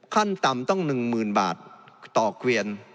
ขั้นต่ำต้อง๑๐๐๐บาทต่อเกวียน